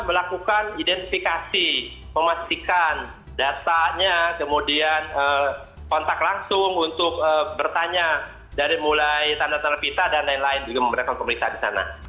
melakukan identifikasi memastikan datanya kemudian kontak langsung untuk bertanya dari mulai tanda tanda pisa dan lain lain juga memberikan pemeriksaan di sana